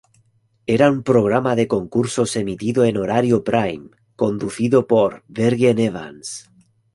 Era un programa de concursos emitido en "horario "prime"", conducido por Bergen Evans.